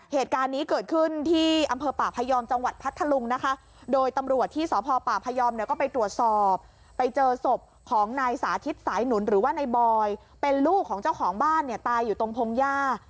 เหตุการณ์นี้เกิดขึ้นที่อำเภอป่าพยอมจังหวัดพัทธลุงนะคะโดยตำรวจที่สพปพยอมเนี่ยก็ไปตรวจสอบไปเจอศพของนายสาธิตสายหนุนหรือว่าในบอยเป็นลูกของเจ้าของบ้านเนี่ยตายอยู่ตรงพงหญ้า